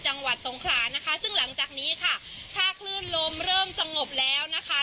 จังหวัดสงขลานะคะซึ่งหลังจากนี้ค่ะถ้าคลื่นลมเริ่มสงบแล้วนะคะ